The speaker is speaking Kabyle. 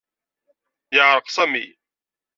Yeɛreq Sami.